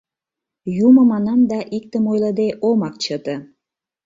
Юмо манам да иктым ойлыде омак чыте.